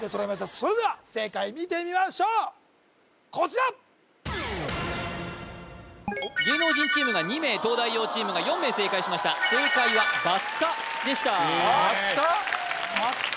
それでは正解見てみましょうこちら芸能人チームが２名東大王チームが４名正解しました正解はバッタでした・バッタ？